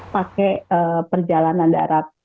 pertama perjalanan darat